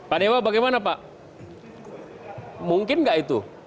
pak dewa bagaimana pak mungkin nggak itu